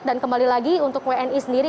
dan kembali lagi untuk wni sendiri